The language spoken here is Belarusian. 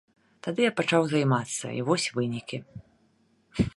Тады я пачаў займацца, і вось вынікі.